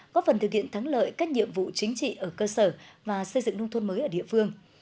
có phần thực hiện thắng lợi các nhiệm vụ chính trị ở cơ sở và xây dựng nông thôn mới ở địa phương